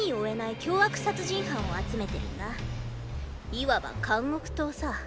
いわば監獄島さ。